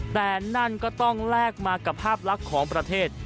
แต่นั่นก็ต้องแลกมากับภาพลักษณ์ของประเทศ